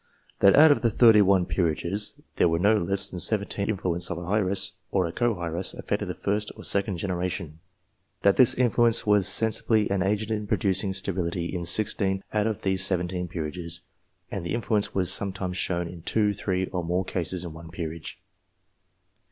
That out of the thirty one peerages, there were no less than seventeen in which the hereditary influence of an heiress or co heiress affected the first or second generation. 128 ENGLISH PEERAGES, That this influence was sensibly an agent in producing sterility in sixteen out of these seventeen peerages, and the influence was sometimes shown in two, three, or more cases in one peerage.